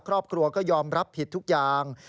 ครอบครัวก็ยอมรับผิดทุกอย่าง